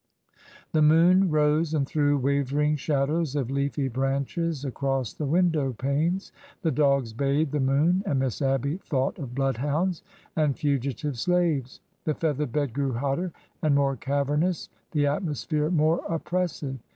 The moon rose, and threw wavering shadows of leafy branches across the window panes. The dogs bayed the moon, and Miss Abby thought of bloodhounds and fu gitive slaves. The feather bed grew hotter and more cavernous, the atmosphere more oppressive.